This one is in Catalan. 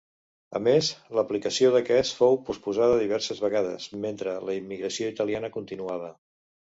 A més, l'aplicació d'aquest fou posposada diverses vegades, mentre la immigració italiana continuava.